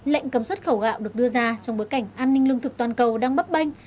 lệnh cấm xuất khẩu gạo được đưa ra trong bối cảnh an ninh lương thực toàn cầu đang bấp banh